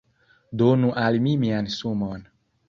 Donu al mi mian sumon